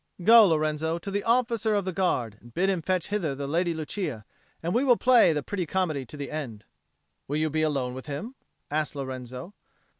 Go, Lorenzo, to the officer of the Guard and bid him fetch hither the Lady Lucia, and we will play the pretty comedy to the end." "Will you be alone with him?" asked Lorenzo.